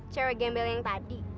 cewek gembel yang tadi